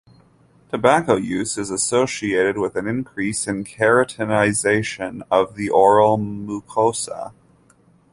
Tobacco use is associated with an increase in keratinization of the oral mucosa.